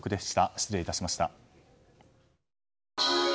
失礼いたしました。